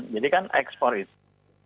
jadi kan ekspor itu